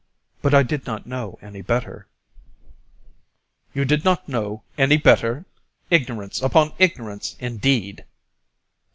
But I did not know any better." "You did not know, any better! Ignorance upon ignorance indeed!"